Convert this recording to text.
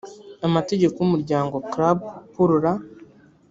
amategeko y umuryango club pour la